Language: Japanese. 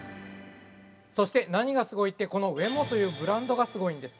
◆そして何がすごいってこのｗｅｍｏというブランドがすごいんです。